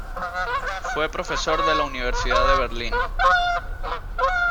Fue profesor de la Universidad de Berlín.